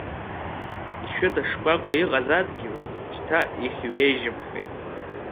Ишәыта шкәакәан иҟаз адгьыл, шьҭа ихьҩежьымхеи иара…